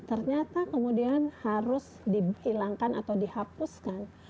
ternyata kemudian harus dihilangkan atau dihapuskan